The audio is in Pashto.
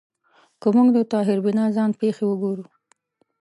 که موږ د طاهر بینا ځان پېښې وګورو